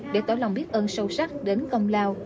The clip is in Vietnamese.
để tỏ lòng biết ơn sâu sắc đến công lao